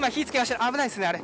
危ないですね、あれ。